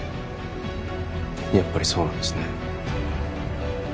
やっぱりそうなんですね